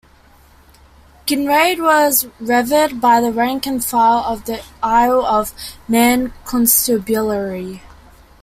Kinrade was revered by the "rank and file" of the Isle of Man Constabulary.